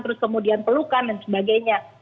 terus kemudian pelukan dan sebagainya